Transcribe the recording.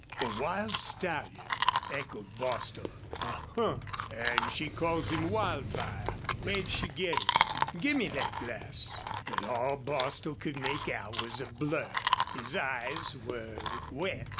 "A wild stallion!" echoed Bostil. "A huh! An' she calls him Wildfire. Where'd she get him? ... Gimme thet glass." But all Bostil could make out was a blur. His eyes were wet.